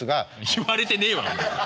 言われてねえわお前。